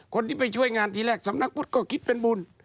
คนที่ไปช่วยงานทีแรกสำนักพุทธก็คิดเป็นบุญ